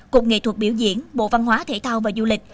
cục nghệ thuật biểu diễn bộ văn hóa thể thao và du lịch